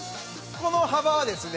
この幅はですね